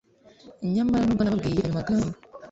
Nyamara nubwo nababwiye ayo magambo